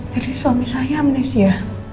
jadi suami saya amnesia